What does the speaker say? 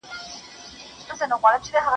¬ تر کورني سړي، گښته خر ښه دئ.